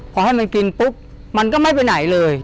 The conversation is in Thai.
พอให้มันกินปุ๊บมันก็ไม่ไปไหนเลย